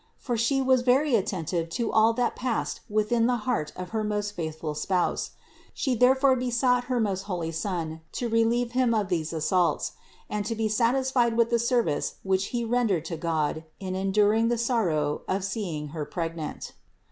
For She was very attentive to all that passed within the heart of her most faithful spouse. She therefore be sought her most holy Son to relieve him of these as saults, and to be satisfied with the service which he ren dered to God in enduring the sorrow of seeing Her pregnant.